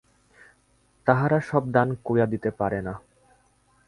তাহারা সব দান করিয়া দিতে পারে না।